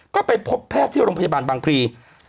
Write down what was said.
ก็ไปพบแพทย์ที่โรงพยาบาลบางพลี